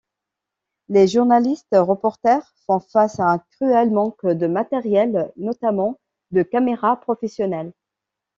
Les journalistes-reporters font face à un cruel manque de matériels notamment de caméras professionnelles.